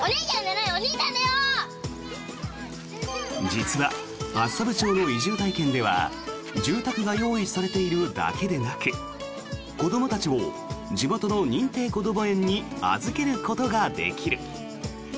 実は厚沢部町の移住体験では住宅が用意されているだけでなく子どもたちも地元の認定こども園に預けることができる。